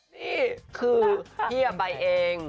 นี่คือเฮียใบเอง